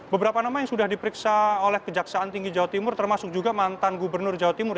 beberapa nama yang sudah diperiksa oleh kejaksaan tinggi jawa timur termasuk juga mantan gubernur jawa timur